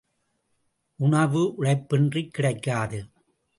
உணவு, உழைப்பின்றிக் கிடைக்காது.